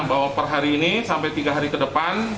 bahwa per hari ini sampai tiga hari ke depan